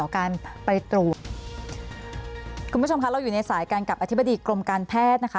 คุณผู้ชมคะเราอยู่ในสายกันกับอธิบดีกรมการแพทย์นะคะ